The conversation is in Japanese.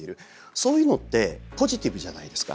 そういうのってポジティブじゃないですか。